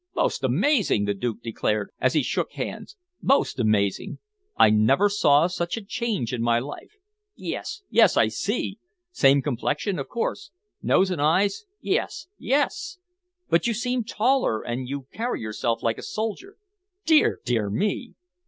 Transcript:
"Most amazing!" the Duke declared, as he shook hands. "Most amazing! I never saw such a change in my life. Yes, yes, I see same complexion, of course nose and eyes yes, yes! But you seem taller, and you carry yourself like a soldier. Dear, dear me!